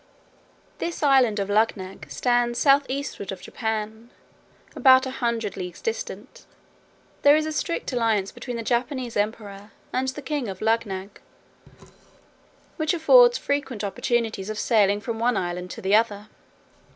This island of Luggnagg stands south eastward of Japan, about a hundred leagues distant. There is a strict alliance between the Japanese emperor and the king of Luggnagg; which affords frequent opportunities of sailing from one island to the other.